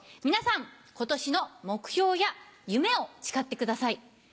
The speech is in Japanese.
皆さん今年の目標や夢を誓ってください。